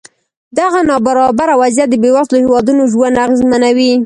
دغه نابرابره وضعیت د بېوزلو هېوادونو ژوند اغېزمنوي.